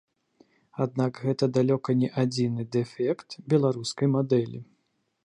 Аднак гэта далёка не адзіны дэфект беларускай мадэлі.